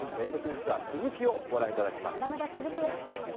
ツアー続きをご覧いただきます。